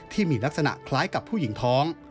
ที่มีลักษณะคล้ายกับผู้หญิงท้อง